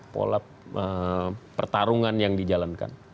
pola pertarungan yang dijalankan